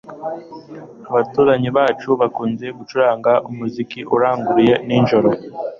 Abaturanyi bacu bakunze gucuranga umuziki uranguruye nijoro.